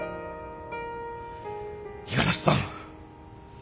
五十嵐さん